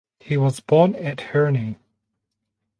He was born at Herning.